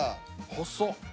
細っ。